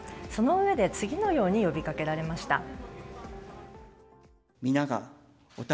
そのうえで、次のように呼びかけられました。